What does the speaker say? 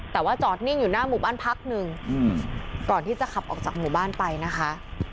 แต่ว่าจอดนิ่งอยู่หน้าหมู่บ้านพักหนึ่งก่อนที่จะขับออกจากหมู่บ้านไปนะคะ